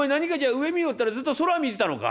上見ろったらずっと空見てたのか？